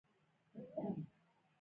د څارویو واکسین مهم دی